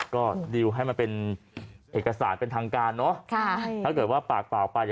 ก็ดิวให้มันเป็นเอกสารเป็นทางการเนอะถ้าเกิดว่าปากเปล่าไป